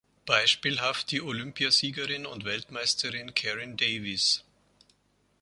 Beispielhaft die Olympiasiegerin und Weltmeisterin Caryn Davies.